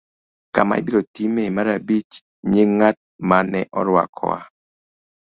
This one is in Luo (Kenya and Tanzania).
Kama ibiro timee mar abich. Nying ' ng'at ma ne orwakowa